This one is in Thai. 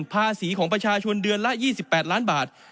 ภาษีของประชาชนเดือนละ๒๘ล้านบาท